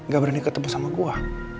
gak berhasil ketemu sama gua